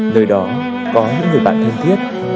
nơi đó có những người bạn thân thiết